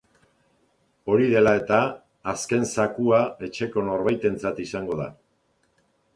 Hori dela eta, azken zakua etxeko norbaitentzat izango da.